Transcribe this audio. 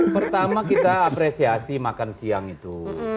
pertama kita apresiasi makan siang itu